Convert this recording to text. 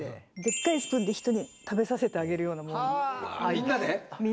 みんなで。